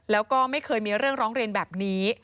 แล้วก็ไม่เคยมีเรื่องร้องเรียนแบบนี้